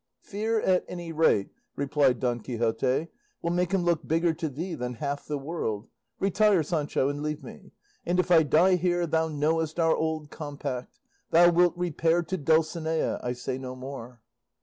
"Fear at any rate," replied Don Quixote, "will make him look bigger to thee than half the world. Retire, Sancho, and leave me; and if I die here thou knowest our old compact; thou wilt repair to Dulcinea I say no more."